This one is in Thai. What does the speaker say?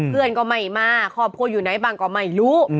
เพื่อนก็ไม่มาครอบครัวอยู่ไหนบ้างก็ไม่รู้